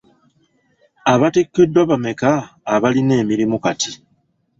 Abattikiddwa bameka abalina emirimu kati?